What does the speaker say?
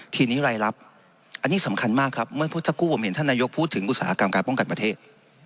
ทีนี้รายรับอันนี้สำคัญมากครับเมื่อสักครู่ผมเห็นท่านนายกพูดถึงอุตสาหกรรมการป้องกันประเทศ